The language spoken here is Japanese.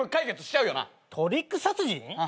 トリック殺人？ああ。